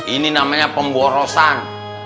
ini namanya pemborosan